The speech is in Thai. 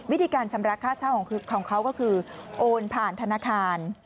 วิธีการชำระค่าเช่าของเขาก็คือโอนผ่านธนาคาร